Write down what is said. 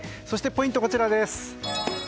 そしてポイントは、こちらです。